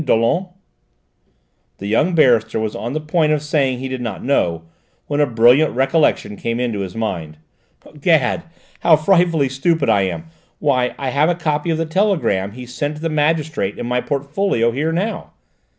Dollon?" The young barrister was on the point of saying he did not know, when a brilliant recollection came into his mind. "'Gad, how frightfully stupid I am! Why, I have a copy of the telegram he sent the magistrate in my portfolio here now."